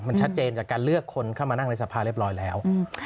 มันชัดเจนจากการเลือกคนเข้ามานั่งในสภาเรียบร้อยแล้ว